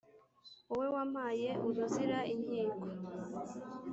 wowe wampaye uruzira inkiko !